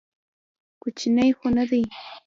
کوچنى خو نه دى.